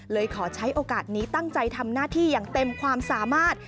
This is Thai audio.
ขอใช้โอกาสนี้ตั้งใจทำหน้าที่อย่างเต็มความสามารถ